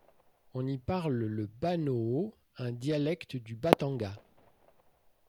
On y parle le banoho, un dialecte du batanga.